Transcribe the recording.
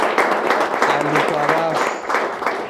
Andu kwa wafu